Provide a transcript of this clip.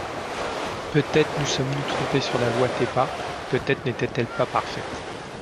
Peut-être nous sommes-nous trompés sur la loi TEPA, peut-être n’était-elle pas parfaite.